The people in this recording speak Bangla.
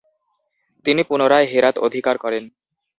তিনি পুনরায় হেরাত অধিকার করেন।